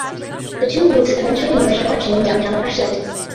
The two groups eventually merged marching in downtown Ashland.